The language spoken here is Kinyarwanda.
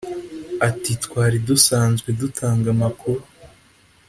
Ati” Twari dusanzwe dutanga amakuru